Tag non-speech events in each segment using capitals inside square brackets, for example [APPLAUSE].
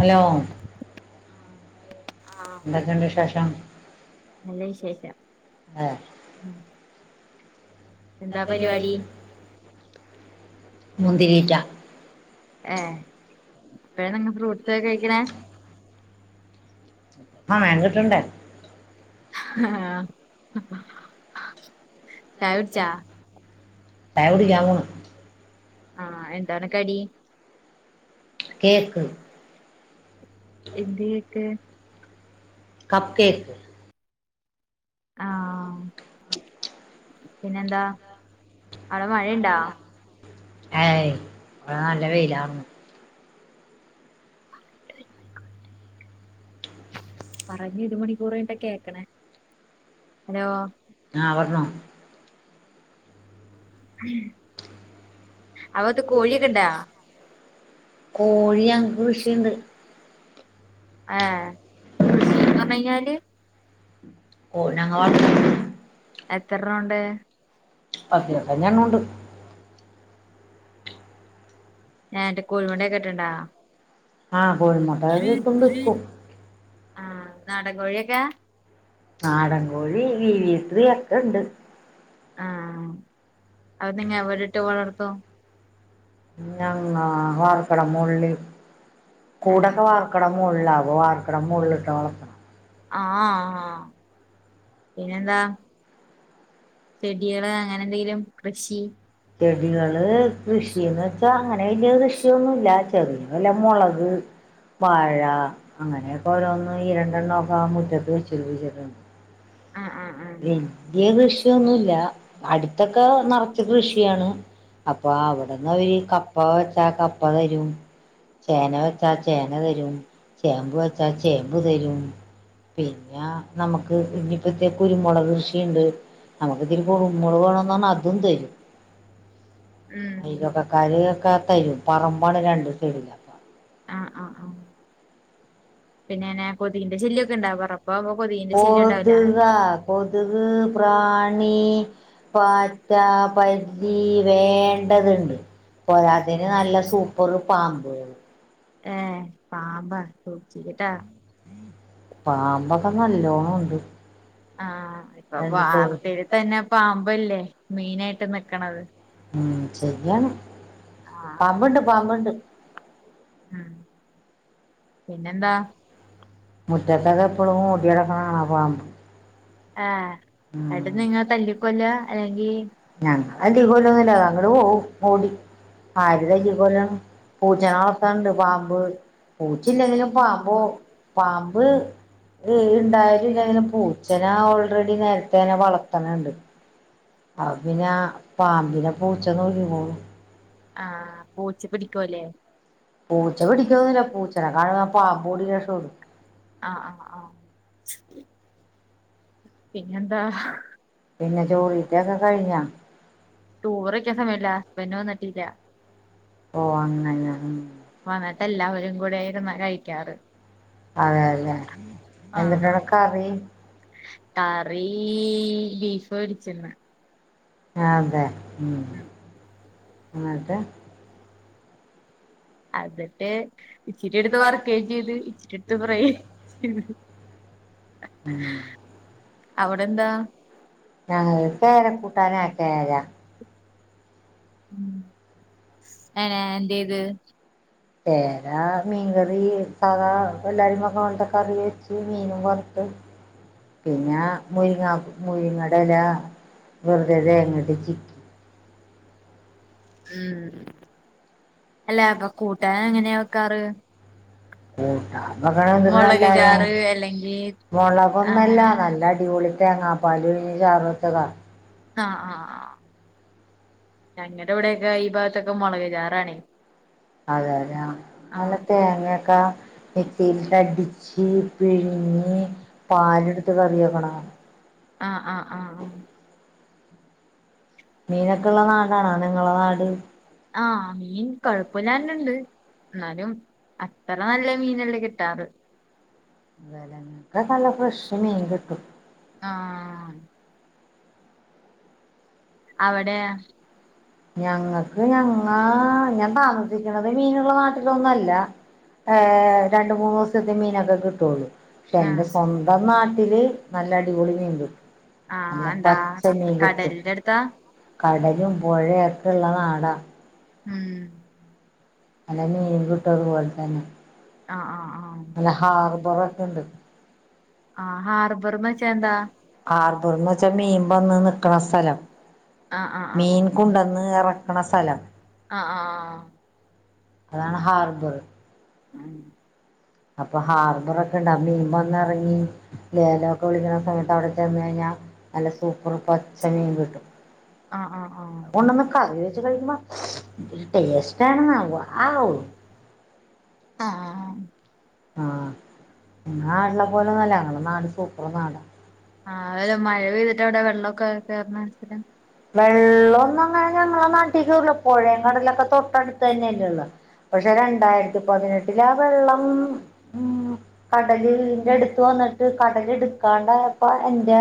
Hello എന്തൊക്കെണ്ട് വിശേഷം ഏ എന്താ പരിവാടി ഏ പേനെങ്ങ് ഫ്രൂട്ട്സാ കഴിക്ക്ണേ ആഹ് വേണ്ടിട്ടുണ്ട് ഹ് ആ ചായുട്ച്ചാ ചായ കുടിക്കാൻപോണ് ആ എന്താണ് കടി കേക്ക് എന്ത് കേക്ക് കപ് കേക്ക് ആഹ് [INAUDIBLE] പിന്നെന്താ അവിടെ മഴയുണ്ടാ? ഏയ്യ് ഇവിടെ നല്ല വെയിലു പറഞ്ഞു ഒരു മണിക്കൂർ കഴിഞ്ഞിട്ട കേക്കണേ ഹലോ ആ പറഞ്ഞോ [INAUDIBLE] കോഴി ഞങ്ങക്ക് കൃഷിയുണ്ട് ആ കൃഷിയെന്ന് പറഞ്ഞാല് ഓ ഞങ്ങ [UNINTELLIGIBLE] എത്ര റൗണ്ട് ഓകെ ഓകെ ഞാൻ ഉണ്ട് [UNINTELLIGIBLE] ആ കോഴിമുട്ട കിട്ട്ണ്ട് ഇപ്പം ആ നാടൻ കോഴിയൊക്കെ നാട കോഴി ലിവീത്രി ഒക്കെ ഇണ്ട് ആ ആ [UNINTELLIGIBLE] [UNINTELLIGIBLE] ആ വാർക്കണം മോള്ള് കൂടൊക്കെ വാർക്ക്‌ണ്ണേ മോള്ലാവും [UNINTELLIGIBLE] ആ ആ പിനെ ന്താ ചെടി യാള് അങ്ങനെ എന്തെങ്കിലും കൃഷി ചെടികള് കൃഷിന്ന് വെച്ചാ അങ്ങനെ വല്യ കൃഷിയൊന്നുല്ല ചെറിയ വല്ല മോളക്, വാഴ അങ്ങനെ ഇപ്പോ ഓരോന്ന് ഈ രണ്ടെണ്ണംക്കെ ആ മുറ്റത്ത് [UNINTELLIGIBLE] വല്യ കൃഷിയൊന്നുല്ല അടുത്തൊക്കെ നിറച്ച കൃഷിയാണ് അപ്പൊ അവിടന്ന് അവര് കപ്പ വെച്ചാ കപ്പ തരും ചേന വെച്ചാ ചേന തരും ചേമ്പ് വെച്ചാ ചേമ്പ് തരും പിന്നെ നമുക്ക് കുരുമുളക് കൃഷിയുണ്ട് നമുക്ക് ഇതിരി കുരുമുളക് വേണന്ന് പറഞ്ഞ അതും തരും അയൽവക്ക കരോക്കെ തരും പറമ്പാണ് രണ്ടു സൈഡിലും പിന്നെന്ന കൊതുക കൊതുക് പ്രാണി പാറ്റ പല്ലി വേണ്ടതുണ്ട് പോരാത്തതിന് നല്ല സൂപ്പർ പാമ്പുകളും ഏ പാമ്പാ സൂക്ഷിക്കു കേട്ടാ പാമ്പ് ആ ഇപ്പൊ വാർത്തേൽ തന്നെ പാമ്പല്ലേ മെയിനയിട്ട് ഇട്ട് നിക്കണത് ചെയ്യണം ഉം മുറ്റത്തൊക്കെ എപ്പളും ഓടി നടക്കണ കാണാം പാമ്പ് ആ അടെ നിങ്ങ തല്ലിക്കൊല്ല അല്ലെങ്കി ന്തിനാ ഓൾറെഡി നേർ ച്ചനെ വളർത്തണണ്ട് അ പിന്നെ പാമ്പിനെ പൂച്ചനെ കൊ ആ ആ പൂച്ച പിടിക്കൊല്ലേ ആ ആ ആ പിന്നെ എന്താ ഹ് ടൂറൊക്കെ സമയല്ല ഹസ്ബഡ് വന്നി ഇല്ല ഓ അങ്ങനം ഉം ഇങ്ങട്ട് എല്ലാവരും കൂടെയിരുന്ന കഴിക്കാറ് അതെ അതെ എന്നിട്ടെന്താ കറി കറീ ബീഫ് മേടിച്ചിന്ന് അതെ ഉം ങ്ങട്ട് അത്ട്ട് ഇച്ചിരി എടുത്ത് വർക്കേം ചെയ്ത് ഇച്ചിരി എടുത്ത് ഫ്രൈ ചെയ്ത് അവിടെന്താ ഉം ഏന എന്ത്യേത് കേരാ മീൻകറി [UNINTELLIGIBLE] സാധാ എല്ലാരും ബോണ്ട കറി വെച്ച് മീനും വർത്ത് പിന്നെ മുരിങ്ങ മുരിങ്ങാടല വെറുതെ തേങ്ങട്ട് ചിക്കി ഉം [UNINTELLIGIBLE] മൊളകൊന്നല്ല നല്ല അടിപൊളി തേങ്ങാപ്പാലിൽ മീൻ ചാറച്ചതാ ആഹ് ആഹ് ആഹ് ഞങ്ങടെ ഇവടെയൊക്കെ ഈ ഭാഗത്തൊക്കെ മൊളക് ജാറാണി അതെതെ അ നല്ല തേങ്ങൊക്കെ മിക്സീലിട്ടടിച്ച് പിഴിഞ്ഞ് പാലെടുത്ത് കറി വെക്കണം ആഹ് മീൻ കൊഴപ്പല്ലാണ്ട് ഇണ്ട് ന്നാലും അത്ര നല്ല മീനല്ല കിട്ടാറ് വലങ്ങക്കക്കെ നല്ല ഫ്രഷ് മീൻ കിട്ടും അവിടെയാ ഞങ്ങക്ക് ഞങ്ങ ഞാൻ താമസിക്കണത് മീനുള്ള നാട്ടിലൊന്നല്ല ഏ രണ്ട മൂന്ന് ദിവസത്തെ മീനൊക്കെ കിട്ടുവുള്ളു പക്ഷെ എന്റെ സ്വന്തം നാട്ടില് നല്ല അടിപൊളി മീൻ കിട്ടും നല്ല പച്ച മീൻ കിട്ടും കടലും പുഴയക്കെ പിള്ളനാട ഉം നല്ല മീൻ കിട്ടും അതുപോലെതന്നെ നല്ല ഹാർബറൊക്കണ്ട് ആ ബറന്ന് വച്ചന്താ ആ ആ ആ അതാണ് ഹാർബർ ഉം അപ്പൊ ഹാർബറൊക്കെ ഇണ്ടാവുമ്പോ മീൻ വന്നറങ്ങി ലേലോക്കെ വിളിക്കണ സമയത്ത് അവിടെ ചെന്ന് കഴിഞ്ഞാൽ നല്ല സൂപ്പർ പച്ച മീൻ കിട്ടും അതുകൊണ്ടൊന്ന് കറി വെച്ച് കഴിക്കുമ്പോ ടേസ്റ്റആണെന്നാവു ആവ ആ ആ [UNINTELLIGIBLE] ആ അതല്ല മഴ പെയ്തിട്ട് അവിടെ വെള്ളൊക്കെ കേറ്ണെ സ്ഥി വെള്ളൊ ന്നങ്ങനെ [UNINTELLIGIBLE] തിഷൂറ്ല് പൊഴേ കടലൊക്കെ തൊട്ടടുത്തന്നെല്ലെള്ളെ പക്ഷെ രണ്ടായിരത്തി പതിനെട്ടിലാ വെള്ളം ഉം കടല് വീടിന്റെ അടുത്ത് വന്നിട്ട് കടല് ഇടുക്കാണ്ടായപ്പം എന്റെ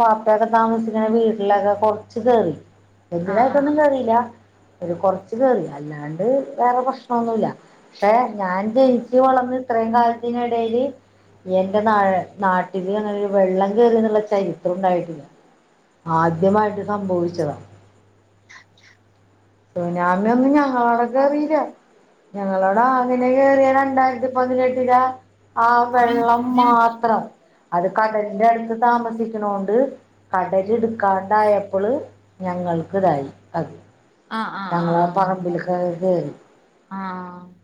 വാപ്പേടെ താമസിക്കണ വീട്ടിലൊക്കെ കൊ ച്ച് കേറി എന്തിരായിട്ടൊന്നും കേറീല ഒരു കൊറച്ച് കേറി അല്ലാണ്ട് വേറെ പ്രശ്നൊന്നുല്ല ക്ഷെ ഞാൻ ജനിച്ച് വളർന്ന് ഇത്രയും കാലത്ത് തിനിടയില് എന്റെ നാ നാട്ടില് ന്നൊര് വെള്ളം കേറിന്ന്ള്ള ചരിത്രം ഉണ്ടായിട്ടില്ല ആദ്യമായിട്ട് [UNINTELLIGIBLE] സുനാമി ഒന്നും ഞങ്ങളോടെ കേറീല്ല ഞങ്ങളോടെ ആങ്ങിനെ കേറ്യേ രണ്ടായിരത്തി പതിനെട്ടിലാ ആ വെള്ളം മാത്രം അത് കടലിന്റെ അടുത്ത് താമസിക്കുണോണ്ട് കടല് ഇട്‌ക്കാണ്ടായപ്പോ പ്പള് ഞങ്ങൾക്കിതായി അത് [INAUDIBLE] ആആആആ ആ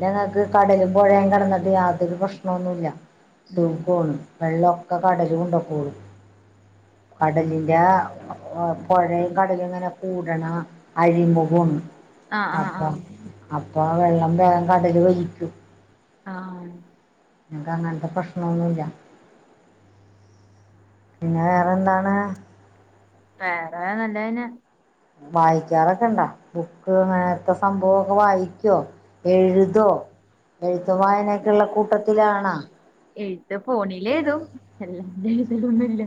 ദേ ഞങ്ങക്ക് കടലും പൊഴയേം കെടന്നിട്ട് യാതൊരു പ്രശ്നൊന്നുല്ല സുഖോണ് വെള്ളൊക്കെ കടല് കൊണ്ടയ്ക്കോളും കടലിന്റാ ആ പൊഴയും കടലു ങ്ങനെ കൂടണ അഴിമുഖാണ് അപ്പൊ അപ്പൊ വെള്ളം വേഗം കടല് വലിക്കും ഞങ്ങക്ക് അങ്ങനെത്തെ പ്രശ്നൊന്നുല്ല പിന്നെ വേറെന്താണ് വേറെ നല്ലതന്നെ വായിച് ഇജാള കണ്ടാ ബുക്ക് നേരത്തെ സംഭവൊക്കെ വായിക്കോ എഴുതോ എഴുത്തും വായനൊക്കെയൊള്ള കൂട്ടത്തിലാണോ എയ് ന്റെ ഫോണിലേതു അല്ലാണ്ടെഴു തലൊന്നൂല്ല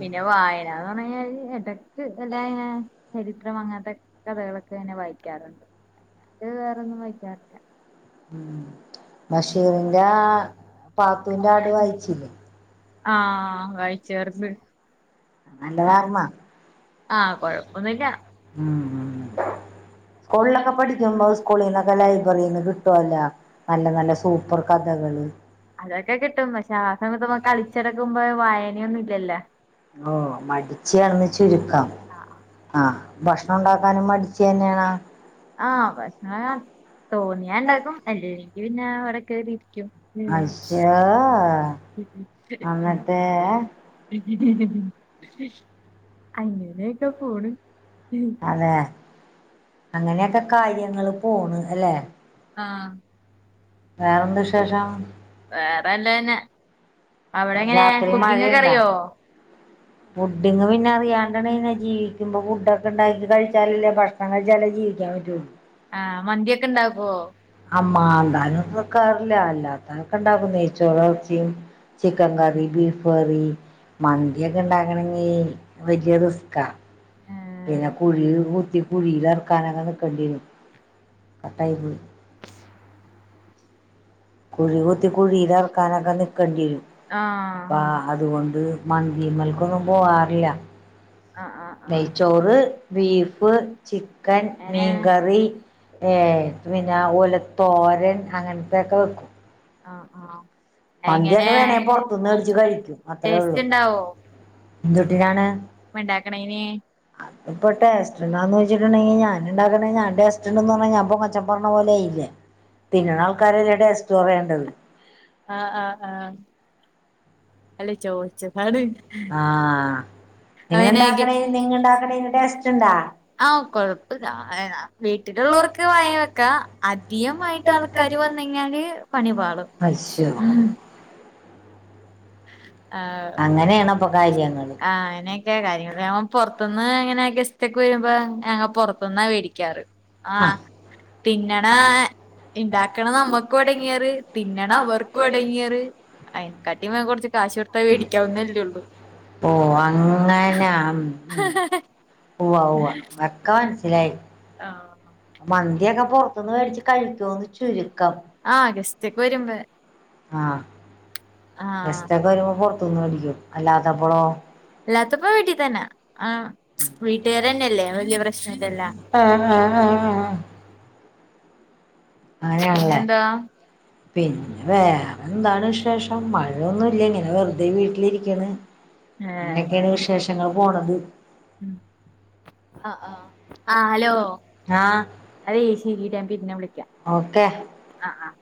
പിന്നെ വായനാന്ന് പറഞ്ഞാല് എടക്ക് അല്ലായിങ്ങനെ ത്രം വാങ്ങാതെ കഥകളൊക്കെ ഇങ്ങനെ വായിക്കാറുണ്ട് ത് വേറൊന്നും വായിക്കാറില്ല ഉം ബഷീറിന്റെ ആ പാത്തൂന്റെ ആട് വാ ആ വായി [UNINTELLIGIBLE] നല്ല വർമ്മ ആ കൊഴപ്പോന്നില്ല മ് മ് അതൊക്കെ കിട്ടും പക്ഷെ ആ സമയത്ത് നമ്മ കളിച്ചെടക്കുമ്പം വായനയോന്നും ഇലെല്ലാ ഓ മടിച്ചിയാണെന്ന് ചുരുക്കം ആ ആ ഭഷണം ഒണ്ടാക്കാനും മടിച്ചി തന്നെയാണോ ആ ഭക്ഷണം തോന്നിയാ ണ്ടാക്കും അല്ലേ പിന്നെ അവിടെ കേറിയിരിക്കും മൂ അങ്ങനെയൊക്കെപ്പോണ് അങ്ങനെയൊക്കെ കാര്യങ്ങള് പോണ് അല്ലെ വേറെന്താ വിശേഷം വേറെല്ലന്നെ രാത്രി മഴയുണ്ടോ ഫുഡിങ്ങ് പിന്നെ അറിയാണ്ടണങ്ങനെ ജീവിക്കുമ്പോ ഫുഡോ ഫുഡ്ണ്ടാക്കി കഴിച്ചാലല്ലേ ഭക്ഷണം കഴിച്ചാലേ ജീവിക്കാൻ പറ്റുള്ളൂ മന്തിയൊക്കെ ഇണ്ടാക്കോ മാന്താനും നോക്കാറില്ല അല്ലാത്തതൊക്കെ ഇണ്ടാക്കും നെയ് ച്ചോറും എറച്ചിയും ചിക്കൻ കറി ബീഫ് കറി മന്തിയൊക്കെ ഇണ്ടാക്കണെങ്കി വലിയ റിസ്ക്കാ പിന്നെ കുഴി കുത്തി കുഴിയിലേറക്കാന കണ്ടീന്ന് കട്ടായി പോയി കുഴി കുത്തി കുഴിയില ഇറക്കാനൊക്കെ നിക്കേണ്ടിരും അപ്പ അതുകൊണ്ട് അത് മന്ദിമ്മൽക്കൊന്നും പോവാറില്ല നെയ്ച്ചോറ് ബീഫ് ചിക്കൻ മീൻകറി ഏ പിന്നെ ഓലെ തോരൻ അങ്ങനെ ഇതൊക്കെ വെക്കും ആ ആ അങ്ങനെ ടേസ്റ്റ് ഉണ്ടാവോ ഇണ്ടാക്കണേന് അതു പ്പോ ടേസ്റ്റ് ഉണ്ടോന്നു വെച്ചിട്ടുണ്ടെങ്കി ഞാൻ ഉണ്ടാക്കണ ഞാൻ ടേസ്റ്റ് ഉണ്ടന്ന് പറഞ്ഞ ഞാൻ പൊങ്ങച്ചം പറഞ്ഞ പോലയായില്ലേ ആ ആഹ് ആ അല്ലെ ചോയി ആ ആഹ് കൊഴപ്പല്ല വീട്ടിലുള്ളോർക്ക് വായേ വെക്ക അധികമായിട്ട് ആൾക്കാര് വന്ന് കഴിഞ്ഞാല് പണി പാളും ആ [INAUDIBLE] ആ ആ അങ്ങനെയൊക്കെ കാര്യങ്ങള് [UNINTELLIGIBLE] പുറത്തുന്ന് എങ്ങനെയൊക്കെ ഗസ് റ്റൊക്കെ വരുമ്പോ ഞങ്ങ പുറത്ത്ന്ന വേടിക്കാറ് ആഹ് തിന്നണ ഇണ്ടാക്കണ നമ്മക്കു എടങ്ങേറ് തിന്നണ അവർക്കു എടങ്ങേറ് അയ് [UNINTELLIGIBLE] ഓ അങ്ങനാ ഉവ്വ് ഉച്ച് വെക്കാ മനസിലായി ആ മന്തിയൊക്കെ പൊറത്തുന്ന് വേടിച്ചു കഴിക്കൂന്ന് ചുരുക്കം ആന് ഗസ്റ്റ്‌ ഒക്കെ വരുമ്പോ പുൊറത്തുന്ന് മേടിക്കും ഇല്ലാത്തപ്പ വീട്ടി തന്നാ ആഹ ആഹ് ആഹ് ആഹ് മഴയാല്ലേ പിന്നെ വേറെ എന്താണ് വിശേഷം മഴയൊന്നുല്ല ഇങ്ങനെ വെറുതെ വീട്ടിലിരിക്കണ് ഇങ്ങനെയൊക്കെയാണ് വിശേഷങ്ങൾ പോണത് ആ ഹലോ ആഹ് ഓക്കെ ആഹ് ആഹ്